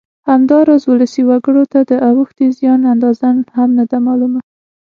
همداراز ولسي وګړو ته د اوښتې زیان اندازه هم نه ده معلومه